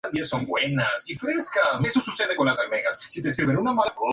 Sus extremidades eran largas y de complexión ligera, provistas de cinco dedos.